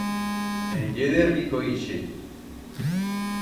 En ye de rico ixe!